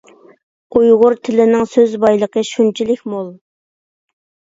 ئۇيغۇر تىلىنىڭ سۆز بايلىقى شۇنچىلىك مول!